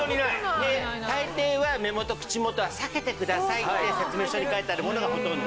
大抵は「目元・口元は避けてください」って説明書に書いてあるものがほとんど。